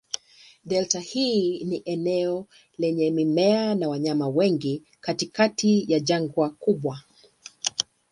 Delta hii ni eneo lenye mimea na wanyama wengi katikati ya jangwa kubwa.